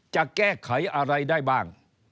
จะแก้ไขอะไรได้บ้าง